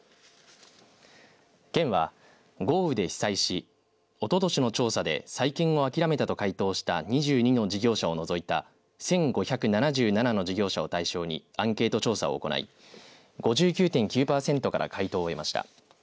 県は豪雨で被災しおととしの調査で再建を諦めたと回答した２２の事業者を除いた１５７７の事業者を対象にアンケート調査を行い５９．９パーセントから回答を得ました。